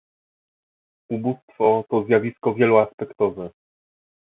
Ubóstwo to zjawisko wieloaspektowe